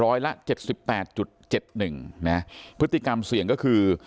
ร้อยละเจ็ดสิบแปดจุดเจ็ดหนึ่งนะพฤติกรรมเสี่ยงก็คือ